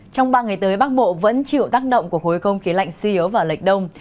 trong ba ngày tới bắc bộ vẫn chịu tác động của khối không khí lạnh suy yếu và lệch đông